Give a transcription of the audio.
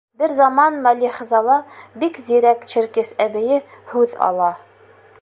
Бер заман Мәлихзала, бик зирәк черкес әбейе һүҙ ала: